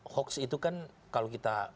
hoax itu kan kalau kita